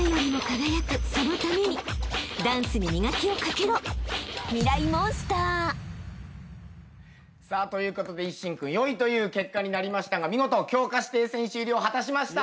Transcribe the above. ［誰よりも］さあということで一心君４位という結果になりましたが見事強化指定選手入りを果たしました！